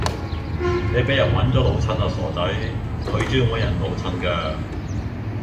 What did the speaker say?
你俾人搵咗老襯啦傻仔，佢專搵人老襯㗎